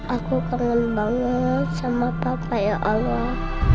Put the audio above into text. aku kangen banget sama papa ya allah